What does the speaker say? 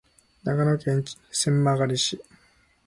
長野県千曲市